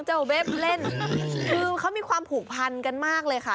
คือเขามีความผูกพันกันมากเลยค่ะ